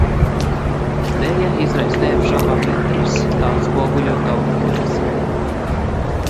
Deja izraisa neapšaubāmu interesi, tā atspoguļo tautas dvēseli.